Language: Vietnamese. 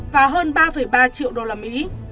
và hơn ba ba triệu đô la mỹ